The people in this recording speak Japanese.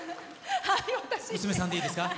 娘さんでいいですか。